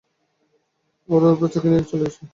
ওরা ওর বাচ্চাকেও নিয়ে গেছে।